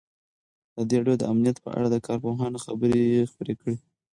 ازادي راډیو د امنیت په اړه د کارپوهانو خبرې خپرې کړي.